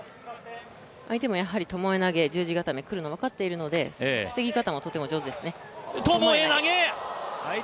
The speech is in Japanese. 相手もともえ投げ、十字固めに来るのが分かっていますので、防ぎ方もとても上手ですね。